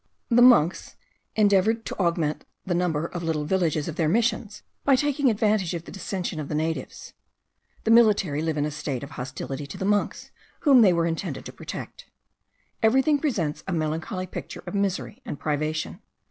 The monks endeavour to augment the number of little villages of their Missions, by taking advantage of the dissensions of the natives. The military live in a state of hostility to the monks, whom they were intended to protect. Everything presents a melancholy picture of misery and privation.